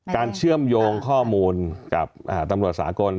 เชื่อมโยงข้อมูลกับตำรวจสากล